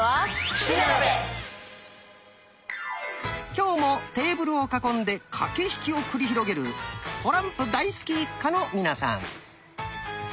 今日もテーブルを囲んで駆け引きを繰り広げるトランプ大好き一家の皆さん。